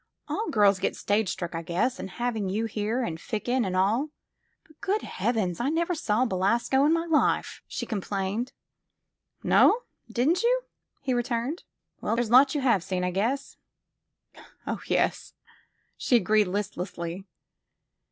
A11 girls get stage struck, I guess, and having you here, and Ficken, and all " But, good heavens, I never saw Belasco in my life!" she complained. '' No ? Didn 't you ?" he returned. '' T7ell, there 's lots you have seen, I guess." 0h, yes," she agreed listlessly.